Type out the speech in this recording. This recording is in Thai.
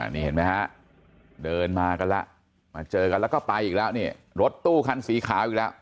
นี่เห็นไหมฮะเดินมากันแล้วมาเจอกันแล้วก็ไปอีกแล้วนี่รถตู้คันสีขาวอีกแล้ว